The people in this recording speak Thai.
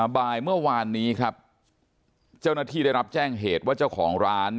บ่ายเมื่อวานนี้ครับเจ้าหน้าที่ได้รับแจ้งเหตุว่าเจ้าของร้าน